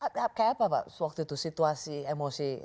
kayak apa pak waktu itu situasi emosi